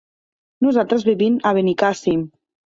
Nosaltres vivim a Benicàssim.